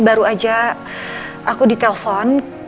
baru aja aku di telpon